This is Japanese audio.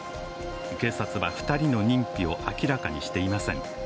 警察は、２人の認否を明らかにしていません。